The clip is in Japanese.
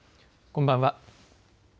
こんばんは。